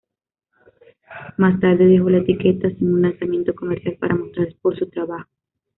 Más tarde dejó la etiqueta sin un lanzamiento comercial para mostrar por su trabajo.